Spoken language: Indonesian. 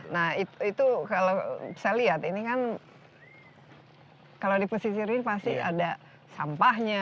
nah itu kalau saya lihat ini kan kalau di pesisir ini pasti ada sampahnya